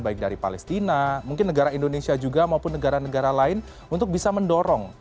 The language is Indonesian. baik dari palestina mungkin negara indonesia juga maupun negara negara lain untuk bisa mendorong